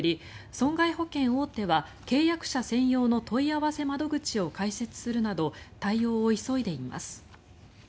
損害保険大手は契約者専用の問い合わせ窓口を開設するなど対応を急いでいます。